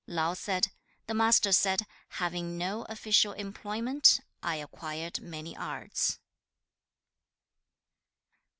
4. Lao said, 'The Master said, "Having no official employment, I acquired many arts."'